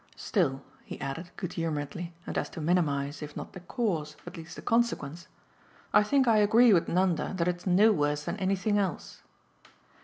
Still," he added good humouredly and as to minimise if not the cause at least the consequence, "I think I agree with Nanda that it's no worse than anything else."